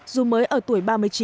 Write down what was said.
dù mới ở tuổi ba mươi chín